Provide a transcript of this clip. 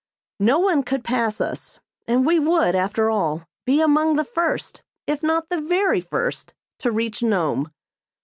No one could pass us, and we would, after all, be among the first, if not the very first, to reach Nome.